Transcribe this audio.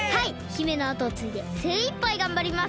姫のあとをついでせいいっぱいがんばります！